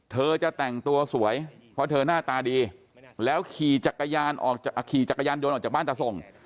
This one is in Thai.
เธอจะแต่งตัวสวยเพราะเธอหน้าตาดีแล้วขี่จักรยานโดนออกจากบ้านตะสง